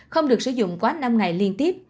không được sử dụng quá năm ngày liên tiếp